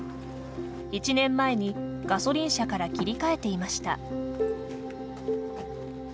１年前にガソリン車から切り替えていました。